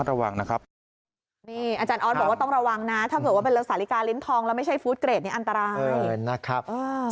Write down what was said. เพราะฉะนั้นตรงนี้ต้องระมัดระวังนะครับ